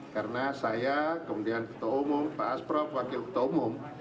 karena saya kemudian ketua umum pak asprof wakil ketua umum